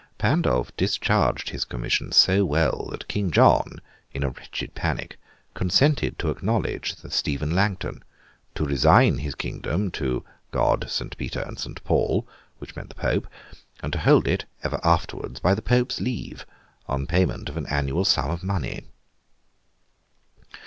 Pandolf discharged his commission so well, that King John, in a wretched panic, consented to acknowledge Stephen Langton; to resign his kingdom 'to God, Saint Peter, and Saint Paul'—which meant the Pope; and to hold it, ever afterwards, by the Pope's leave, on payment of an annual sum of money.